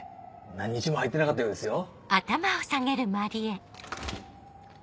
何日も入ってなかったようですよ。